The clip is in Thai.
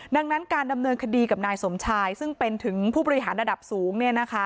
ดังนั้นการดำเนินคดีกับนายสมชายซึ่งเป็นถึงผู้บริหารระดับสูง